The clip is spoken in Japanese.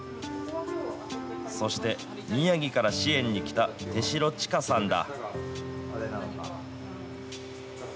そして、宮城から支援に来た手代千賀さんだ。